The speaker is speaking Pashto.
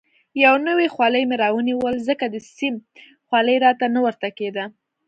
یو نوی خولۍ مې رانیول، ځکه د سیم خولۍ راته نه ورته کېده.